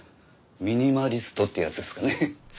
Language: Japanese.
ミニマリストってやつですかね。